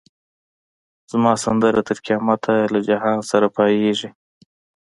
زما سندره تر قیامته له جهان سره پاییږی